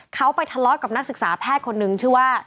เขาไปทะเลาะกับนักศึกษาแพทย์คนนึงชื่อว่า